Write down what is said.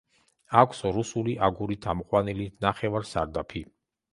აქვს „რუსული“ აგურით ამოყვანილი ნახევარსარდაფი.